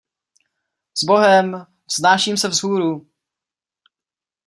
Sbohem, vznáším se vzhůru!